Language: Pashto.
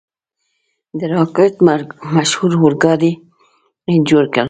د راکټ مشهور اورګاډی یې جوړ کړ.